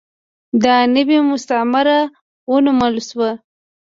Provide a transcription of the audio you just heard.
دا نوې مستعمره ونومول شوه.